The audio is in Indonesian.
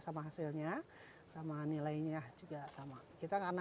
sama hasilnya sama nilainya juga sama